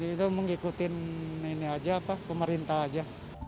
itu mengikutin ini aja pak pemerintah aja